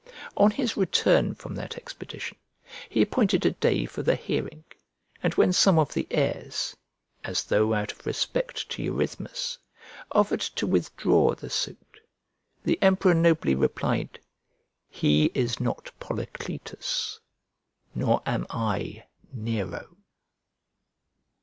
On his return from that expedition, he appointed a day for the hearing; and when some of the heirs, as though out of respect to Eurythmus, offered to withdraw the suit, the emperor nobly replied, "He is not Polycletus, nor am I Nero."